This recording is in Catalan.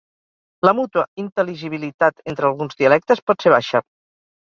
La mútua intel·ligibilitat entre alguns dialectes pot ser baixa.